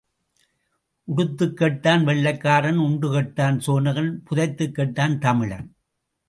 உடுத்துக் கெட்டான் வெள்ளைக்காரன் உண்டு கெட்டான் சோனகன் புதைத்துக் கெட்டான் தமிழன்.